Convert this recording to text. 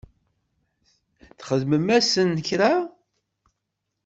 Txedmem-asen kra?